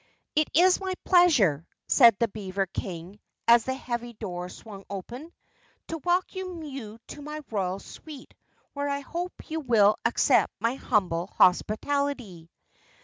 "It is my pleasure," said the beaver King, as the heavy door swung open, "to welcome you to my royal suite where I hope you will accept my humble hospitality."